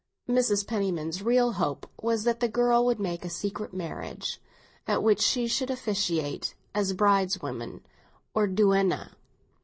Mrs. Penniman's real hope was that the girl would make a secret marriage, at which she should officiate as brideswoman or duenna.